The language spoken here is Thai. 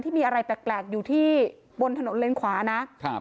ที่มีอะไรแปลกอยู่ที่บนถนนเลนควานะ